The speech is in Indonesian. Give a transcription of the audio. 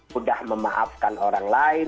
sudah memaafkan orang lain